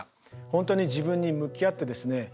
本当に自分に向き合ってですね